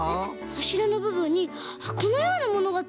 はしらのぶぶんにはこのようなものがついてるよ？